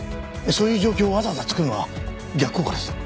そういう状況をわざわざ作るのは逆効果です。